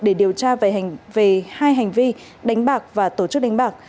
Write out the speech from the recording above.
để điều tra về hai hành vi đánh bạc và tổ chức đánh bạc